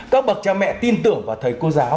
các bậc cha mẹ tin tưởng vào thầy cô giáo